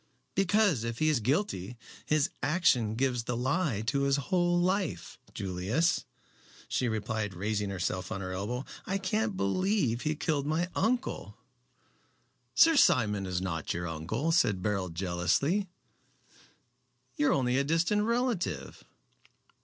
"Because, if he is guilty, his action gives the lie to his whole life, Julius," she replied, raising herself on her elbow. "I can't believe he killed my uncle." "Sir Simon is not your uncle," said Beryl, jealously. "You are only a distant relative."